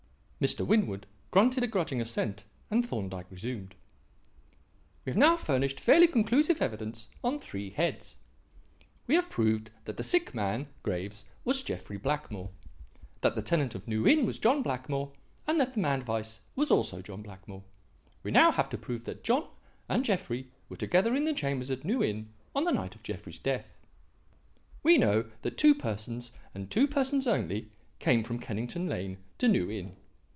Mr. Winwood grunted a grudging assent, and Thorndyke resumed: "We have now furnished fairly conclusive evidence on three heads: we have proved that the sick man, Graves, was Jeffrey Blackmore; that the tenant of New Inn was John Blackmore; and that the man Weiss was also John Blackmore. We now have to prove that John and Jeffrey were together in the chambers at New Inn on the night of Jeffrey's death. "We know that two persons, and two persons only, came from Kennington Lane to New Inn.